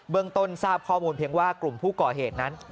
ต้นทราบข้อมูลเพียงว่ากลุ่มผู้ก่อเหตุนั้น